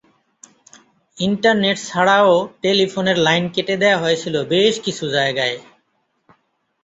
Internet ছাড়াও টেলিফোনের line কেটে দেয়া হয়েছিল বেশ কিছু জায়গায়।